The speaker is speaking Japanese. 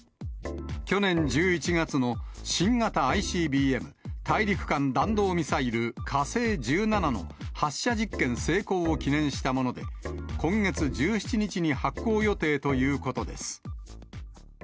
去年１１月の新型ＩＣＢＭ・大陸間弾道ミサイル火星１７の発射実験成功を記念したもので、今月１７日に発行予定ということです。